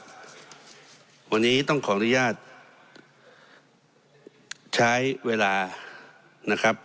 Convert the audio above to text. วันนี้นะครับวันนี้ต้องขออนุญาตใช้เวลานะครับ